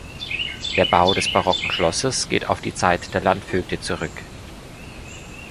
Der Bau des barocken Schlosses geht auf die Zeit der Landvögte zurück.